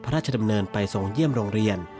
พระราชดำเนินไปทรงเยี่ยมโรงเรียน